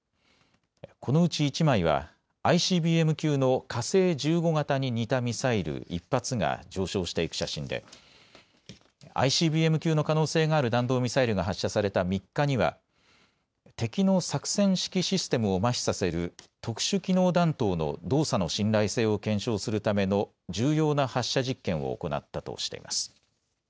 このうち１枚はＩＣＢＭ級の火星１５型に似たミサイル１発が上昇していく写真でＩＣＢＭ級の可能性がある弾道ミサイルが発射された３日には敵の作戦指揮システムをまひさせる特殊機能弾頭の動作の信頼性を検証するための重要な発射実験を行ったとしています。